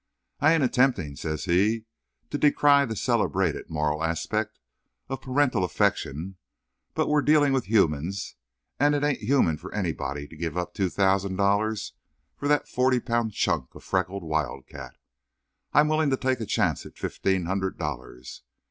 "I ain't attempting," says he, "to decry the celebrated moral aspect of parental affection, but we're dealing with humans, and it ain't human for anybody to give up two thousand dollars for that forty pound chunk of freckled wildcat. I'm willing to take a chance at fifteen hundred dollars.